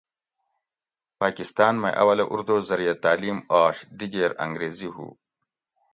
پاکستان مئ اولہ اردو زریعہ تعلیم آش دِگیر انگریزی ہُو